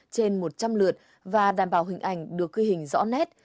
trên một trăm linh lượt và đảm bảo hình ảnh được ghi hình rõ nét